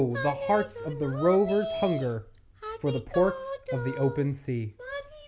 the hearts of the rovers hunger For the Ports of the Open Sea.